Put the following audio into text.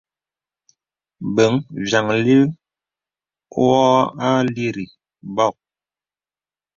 Bəŋ vyàŋli wɔ àlirì bɔ̀k.